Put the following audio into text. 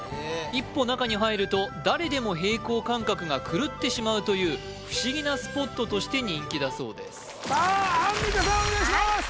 一歩中に入ると誰でも平衡感覚が狂ってしまうという不思議なスポットとして人気だそうですさあアンミカさんお願いします